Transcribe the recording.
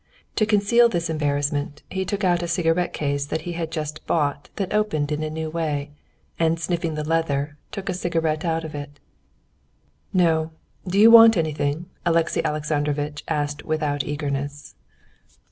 To conceal this embarrassment he took out a cigarette case he had just bought that opened in a new way, and sniffing the leather, took a cigarette out of it. "No. Do you want anything?" Alexey Alexandrovitch asked without eagerness.